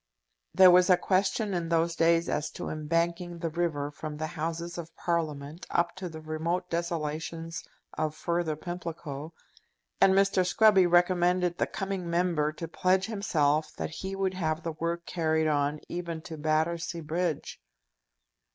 There was a question in those days as to embanking the river from the Houses of Parliament up to the remote desolations of further Pimlico, and Mr. Scruby recommended the coming Member to pledge himself that he would have the work carried on even to Battersea Bridge.